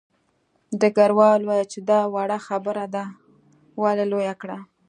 ډګروال وویل چې دا وړه خبره دې ولې لویه کړه